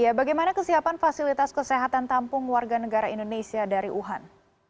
ya bagaimana kesiapan fasilitas kesehatan tampung warga negara indonesia dari wuhan